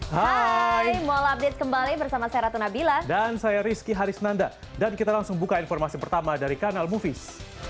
hai mola update kembali bersama saya ratu nabila dan saya rizky harisnanda dan kita langsung buka informasi pertama dari kanal movies